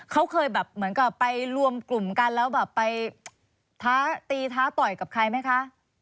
เขาเคยไปรวมกลุ่มกันแล้วไปตีท้าต่อยกับใครไหมคะ